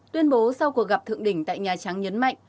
tuyên bố sau cuộc gặp thượng đỉnh tại nhà trắng nhấn mạnh